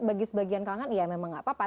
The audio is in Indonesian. bagi sebagian kalangan ya memang apa apa